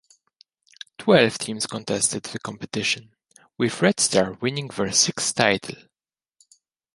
Twelve teams contested the competition, with Red Star winning their sixth title.